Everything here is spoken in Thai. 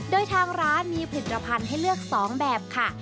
โดยทางร้านมีผลิตภัณฑ์ให้เลือก๒แบบค่ะ